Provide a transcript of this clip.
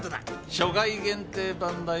初回限定版だよ。